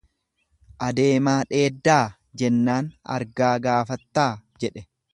Adeemaa dheeddaa? jennaan argaa gaafattaa? jedhe.